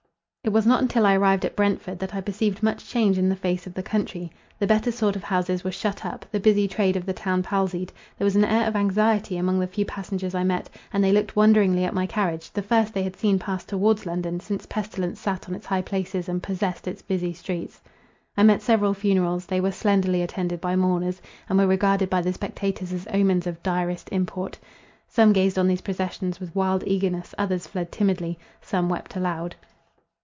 It was not until I arrived at Brentford, that I perceived much change in the face of the country. The better sort of houses were shut up; the busy trade of the town palsied; there was an air of anxiety among the few passengers I met, and they looked wonderingly at my carriage—the first they had seen pass towards London, since pestilence sat on its high places, and possessed its busy streets. I met several funerals; they were slenderly attended by mourners, and were regarded by the spectators as omens of direst import. Some gazed on these processions with wild eagerness— others fled timidly—some wept aloud.